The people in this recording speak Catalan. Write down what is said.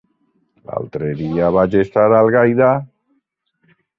L'altre dia vaig estar a Algaida.